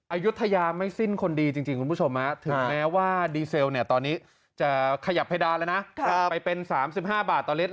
อายุทยาไม่สิ้นคนดีจริงคุณผู้ชมถึงแม้ว่าดีเซลตอนนี้จะขยับเพดานแล้วนะไปเป็น๓๕บาทต่อลิตร